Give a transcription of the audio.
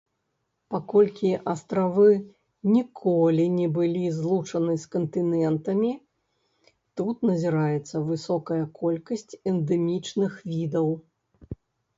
Паколькі астравы ніколі не былі злучаны з кантынентамі, тут назіраецца высокая колькасць эндэмічных відаў.